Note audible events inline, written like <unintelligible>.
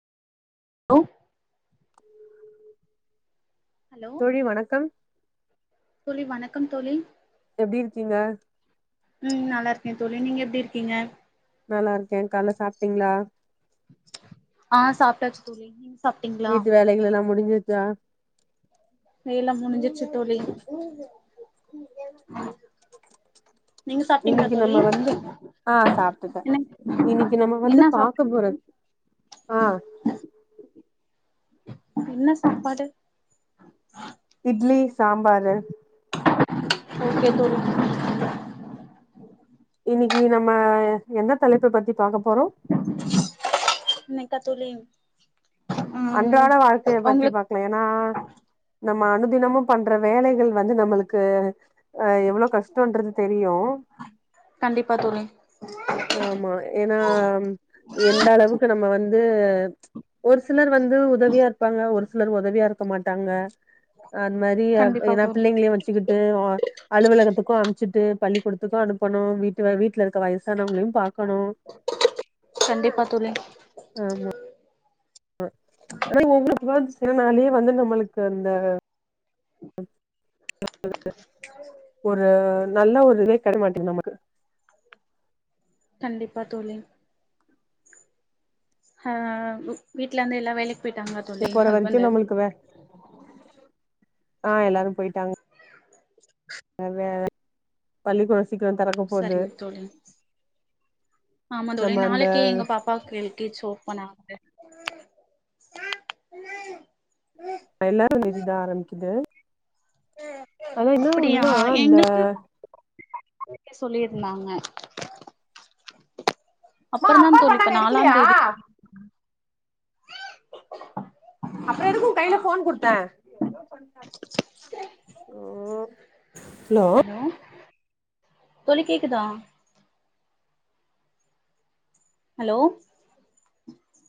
உ உம் ஹலோ தோழி வணக்கம் தோழி வணக்கம் தோழி எப்டி இருக்கீங்க ம் நல்லா இருக்கே தோழி நீங்க எப்டி இருக்கீங்க நல்லா இருக்க கால்ல சாப்டீங்களா ஆ சாப்டாச்சு தோழி நீங்க சாப் வீட்டு வேலைகள் எல்லா முடிஞ்சிருச்சா வேல முடிஞ்சிருச்சு தோழி நீங்க சாப்டீங்களா இன்னைக்கு தோழி நம்ம வந்து ஆ சாப்ட்டுட என்ன இன்னைக்கு நம்ம வந்து என்ன பாக்க சாப்ட்டீங்க தோழி? போறது ஆ என்ன சாப்பாடு இட்லி சாம்பாரு ஓகே தோழி இன்னைக்கு நம்ம எந்த தலைப்ப பத்தி பாக்க போறோம் கா தோழி ம் அன்றாட வாழ்க்கைய பத்தி உங்களுக்கு பாக்கலாம் ஏனா நம்ம அனுதினமும் பண்ற வேலைகள் வந்து நம்மளுக்கு அ எவ்வளோ கஷ்டம்ன்றது கண்டிப்பா தோழி ஆமா ஏனா எந்த அளவுக்கு நம்ம வந்து ஒரு சிலர் வந்து உதவியா இருப்பாங்க ஒரு சிலர் உதவியா இருக்க மாட்டாங்க அது மாரி கண்டிப்பா ஏனா தோழி பிள்ளைங்களையும் வச்சுக்கிட்டு் அலுவலகத்துக்கும் அமுச்சுட்டு பள்ளி கொடுத்துக்கும் அனுப்பனும் வீட்டு வீட்டுல இருக்க வ சனங்களையும் பாக்கணும் கண்டிப்பா தோழி ஆமா ஆனா ஒவ்வருளுக்குாவ சிலனாலயே வந்து நம்மளுக்கு அந்த ஒரு நல்ல ஒரு கிட மாட்டீங்க நமக்கு கண்டிப்பா தோழி ஹா வீட்லந்து எல்லாம் வேலைக் போற வரைக்கும் நம்மளுக்கு வே ஆ எல்லாரும் போயிட்டாங்க வே பள்ளிக்கூடோ சீக்கிரம் தறக்க போது சரிங்க தோழி ஆமா தோழி நம்ம அந்த நாளைக்கு எங்க பாப்பாக்கு எல் கே ஜி ஓபண்ணாகுது ச ந <unintelligible> எல்லாரும் வேதிதான் ஆரம்பிக்குது அத என்ன அப்படியா ஒன்னுன்னா அந்த எங்களுக்கு சொல்லியிருந்தாங்க மா அப்புறம் தா அப்பா தோழி இப்ப பண்ணாங்க நாலாம் எடுக்கலையா தேதி <unintelligible> அப்றோ எதுக்கு உ கையில ஃபோன் குடுத்தே ச்சே ஹலோ தோழி கேக்குதா ஹலோ